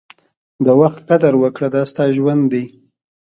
د وخت قدر وکړه، دا ستا ژوند دی.